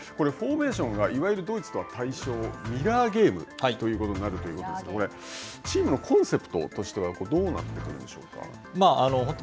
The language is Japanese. フォーメーションがミラーゲームということになるということが、チームのコンセプトとしてはどうなってくるんでしょうか。